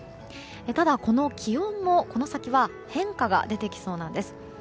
ただ、この気温もこの先は変化が出てきそうなんです。